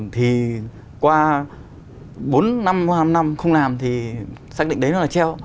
thì qua bốn năm năm năm không làm thì xác định đấy là treo